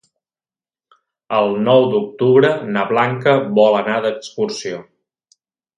El nou d'octubre na Blanca vol anar d'excursió.